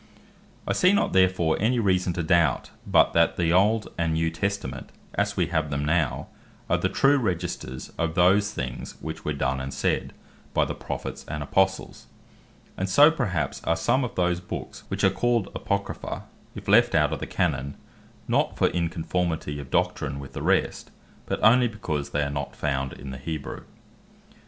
I see not therefore any reason to doubt, but that the Old, and New Testament, as we have them now, are the true Registers of those things, which were done and said by the Prophets, and Apostles. And so perhaps are some of those Books which are called Apocrypha, if left out of the Canon, not for inconformity of Doctrine with the rest, but only because they are not found in the Hebrew.